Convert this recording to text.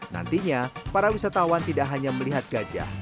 nantinya para wisatawan tidak hanya melihat gajah